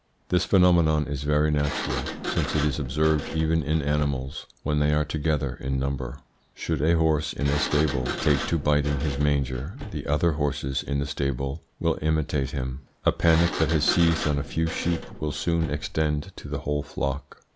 This phenomenon is very natural, since it is observed even in animals when they are together in number. Should a horse in a stable take to biting his manger the other horses in the stable will imitate him. A panic that has seized on a few sheep will soon extend to the whole flock.